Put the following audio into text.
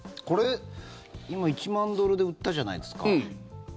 これ、今１万ドルで売ったじゃないですか。